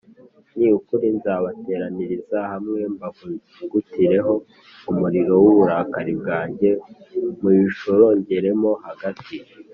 Ni ukuri nzabateraniriza hamwe, mbavugutireho umuriro w’uburakari bwanjye muyishongeremo hagati